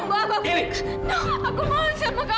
aku nggak mau cerai sama kamu